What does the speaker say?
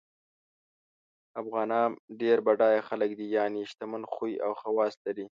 افغانان ډېر بډایه خلګ دي یعنی شتمن خوی او خواص لري